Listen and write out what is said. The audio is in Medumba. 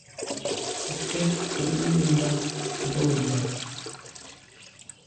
Nkeb ntôndà bwe mbà.